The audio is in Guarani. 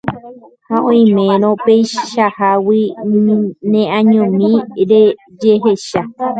Ha oimérõ peichahágui neañomi rejehecha